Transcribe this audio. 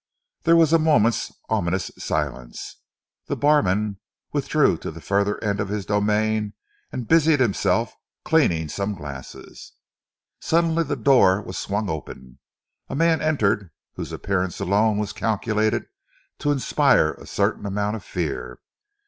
There was a moment's ominous silence. The barman withdrew to the further end of his domain and busied himself cleaning some glasses. Suddenly the door was swung open. A man entered whose appearance alone was calculated to inspire a certain amount of fear.